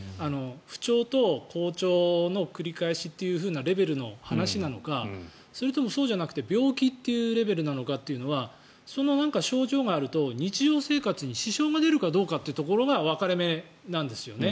不調と好調の繰り返しというレベルの話なのかそれとも、そうじゃなくて病気というレベルなのかその症状があると日常生活に支障が出るかどうかというところが分かれ目なんですよね。